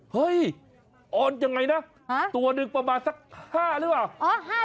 เฮ้ยออนยังไงนะตัวหนึ่งประมาณสัก๕หรือเปล่า